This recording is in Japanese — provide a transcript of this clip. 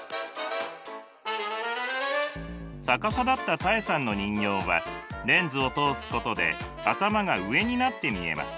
逆さだったタエさんの人形はレンズを通すことで頭が上になって見えます。